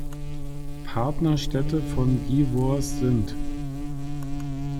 Partnerstädte von Givors sind